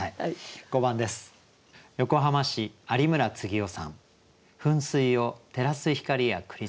５番です。